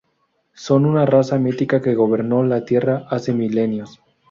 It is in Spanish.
Son una raza mítica que gobernó la tierra hace milenios.